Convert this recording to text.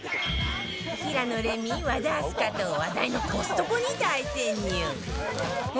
平野レミ和田明日香と話題のコストコに大潜入